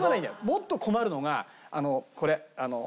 もっと困るのがこれ。